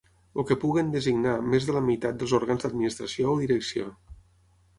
O que puguin designar més de la meitat dels òrgans d'administració o direcció.